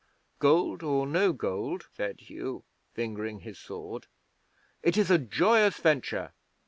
'"Gold or no gold," said Hugh, fingering his sword, "it is a joyous venture.